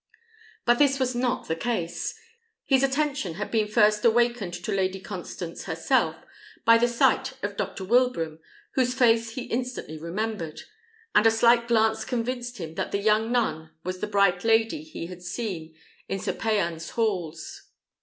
But this was not the case: his attention had been first awakened to Lady Constance herself by the sight of Dr. Wilbraham, whose face he instantly remembered; and a slight glance convinced him that the young nun was the bright lady he had seen in Sir Payan's halls.